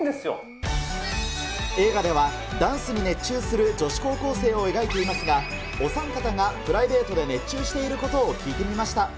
映画では、ダンスに熱中する女子高校生を描いていますが、お三方がプライベートで熱中していることを聞いてみました。